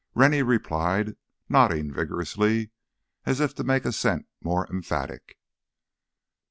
Rennie replied, nodding vigorously, as if to make assent more emphatic.